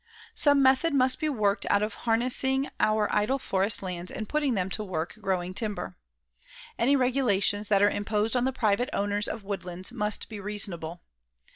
Some method must be worked out of harnessing our idle forest lands and putting them to work growing timber. Any regulations that are imposed on the private owners of woodlands must be reasonable.